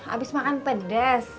abis makan pedes